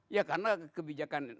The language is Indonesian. ya karena kebijakan